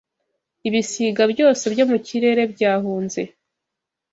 ibisiga byose byo mu kirere byahunze